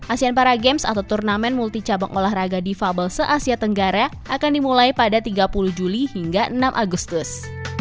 asean para games atau turnamen multi cabang olahraga defable se asia tenggara akan dimulai pada tiga puluh juli hingga enam agustus